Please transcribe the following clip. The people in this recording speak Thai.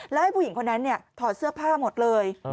แล้วให้ผู้หญิงคนนั้นถอดเสื้อผ้าหมดเลย